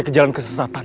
ke jalan kesesakan